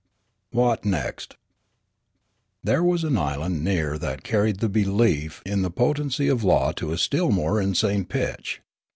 • CHAPTER XIX WOTNEKST THERE was an island near that carried the belief in the potency of law to a still more insane pitch.